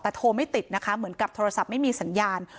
แต่โทรไม่ติดนะคะเหมือนกับโทรศัพท์ไม่มีสัญญาณ